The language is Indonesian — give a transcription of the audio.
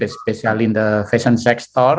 terutama di fesyen sector